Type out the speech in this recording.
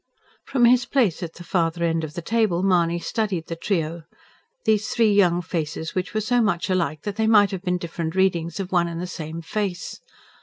From his place at the farther end of the table Mahony studied the trio these three young faces which were so much alike that they might have been different readings of one and the same face.